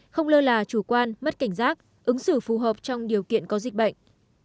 không lơ là chủ quan mất cảnh giác ứng xử phù hợp trong điều kiện có dịch bệnh